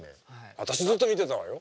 私ずっと見てたわよ。